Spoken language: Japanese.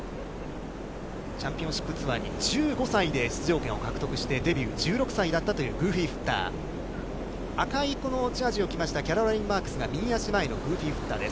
チャンピオンシップツアーに１５歳で出場権を獲得して、、１６歳になったというグーティ・フッター、赤いジャージを着ましたキャロライン・マークスがグーティ・フィタです。